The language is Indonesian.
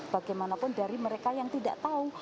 bagaimanapun dari mereka yang tidak tahu